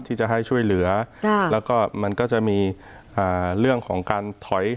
ที่จะให้ช่วยเหลือแล้วก็มันก็จะมีเรื่องของการถอย